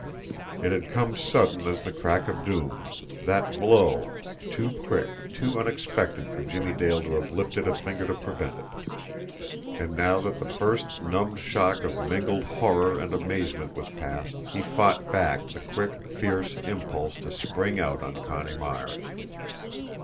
It had come sudden as the crack of doom, that blow too quick, too unexpected for Jimmie Dale to have lifted a finger to prevent it. And now that the first numbed shock of mingled horror and amazement was past, he fought back the quick, fierce impulse to spring out on Connie Myers.